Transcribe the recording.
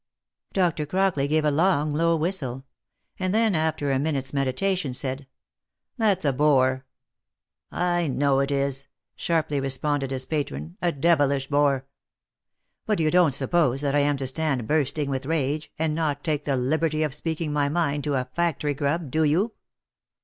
Doctor Crockley gave a long low whistle ; and then, after a minute's meditation, said, " That's a bore." " I know it is," sharply responded his patron, " a devilish bore. But you don't suppose that I am to stand bursting with rage, and not take the liberty of speaking my mind to a factory grub, do you?"